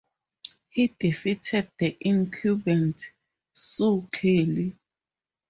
He defeated the incumbent, Sue Kelly.